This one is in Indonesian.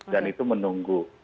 dan itu menunggu